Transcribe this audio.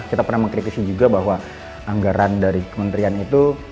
kita pernah mengkritisi juga bahwa anggaran dari kementerian itu